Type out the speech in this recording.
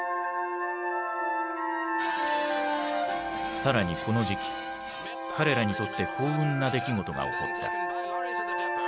更にこの時期彼らにとって幸運な出来事が起こった。